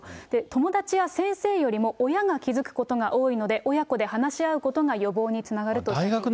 友達や先生よりも親が気付くことが多いので、親子で話し合うことが予防につながるということです。